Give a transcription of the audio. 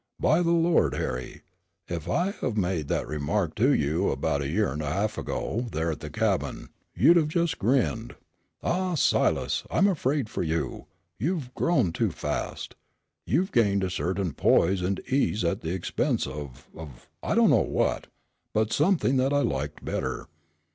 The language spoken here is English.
By the Lord Harry, if I'd have made that remark to you about a year and a half ago, there at the cabin, you'd have just grinned. Ah, Silas, I'm afraid for you. You've grown too fast. You've gained a certain poise and ease at the expense of of I don't know what, but something that I liked better.